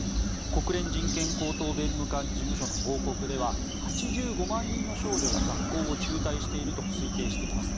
国連人権高等弁務官事務所の報告では８５万人の少女が学校を中退していると推定しています。